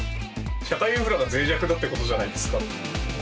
社会インフラがぜい弱だってことじゃないですか。